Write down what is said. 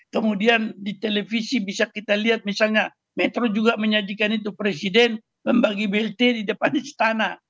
kemudian di televisi bisa kita lihat misalnya metro juga menyajikan itu presiden membagi blt di depan istana